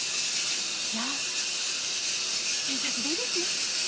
じゃあＴシャツでいいですね。